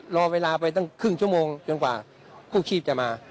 รอเวลาไปตั้งครึ่งชั่วโมงจนกว่ากู้ชีพจะมา